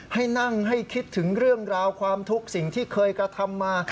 ให้นั่งให้คิดถึงเรื่องราวความทุกข์สิ่งที่เคยกระทำมา